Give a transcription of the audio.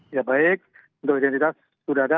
ya baik untuk identitas sudah ada